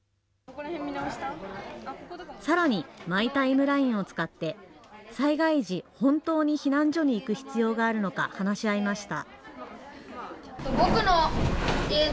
さらに、マイタイムラインを使って、災害時、本当に避難所に行く必要があるのか話し合いました。